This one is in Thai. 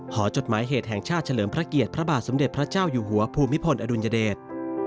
หดหมายเหตุแห่งชาติเฉลิมพระเกียรติพระบาทสมเด็จพระเจ้าอยู่หัวภูมิพลอดุลยเดช